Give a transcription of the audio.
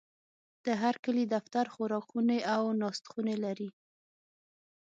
د هرکلي دفتر، خوراکخونې او ناستخونې لري.